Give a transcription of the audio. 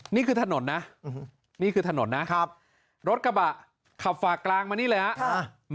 นี่คือถนนนะรถกระบะขับฝากกลางมานี่เลยครับ